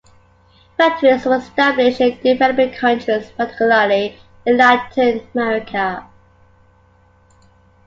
Factories were established in developing countries, particularly in Latin America.